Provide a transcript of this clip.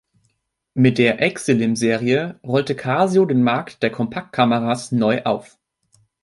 Mit der Exilim-Serie rollte Casio den Markt der Kompaktkameras neu auf.